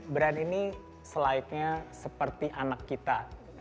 brand ini selaiknya seperti anak kita